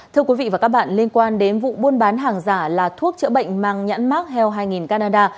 thưa quý vị và các bạn liên quan đến vụ buôn bán hàng giả là thuốc chữa bệnh mang nhãn mark heal hai canada